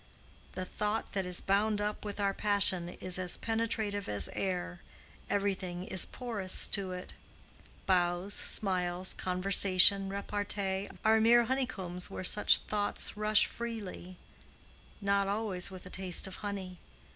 The thought that is bound up with our passion is as penetrative as air—everything is porous to it; bows, smiles, conversation, repartee, are mere honeycombs where such thoughts rushes freely, not always with a taste of honey.